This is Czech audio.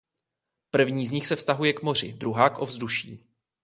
První z nich se vztahuje k moři, druhá k ovzduší.